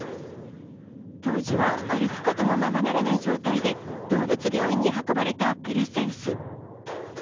当時は歩くこともままならない状態で、動物病院に運ばれたペルセウス。